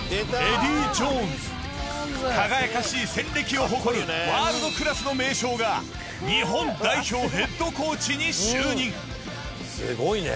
輝かしい戦歴を誇るワールドクラスの名将が日本代表ヘッドコーチに就任すごいね。